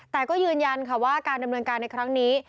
แต่ก็ยืนยันค่ะว่าการดำเนินการในครั้งนี้